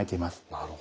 なるほど。